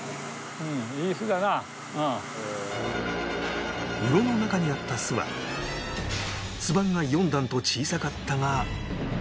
うろの中にあった巣は巣盤が４段と小さかったが